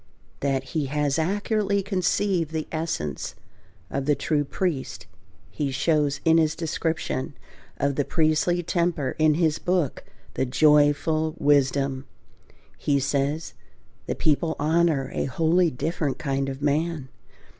That he has accurately conceived the essence of the true priest he shows in his description of the priestly temper in his book, "The Joyful Wisdom." He says, "the people honour a wholly different kind of man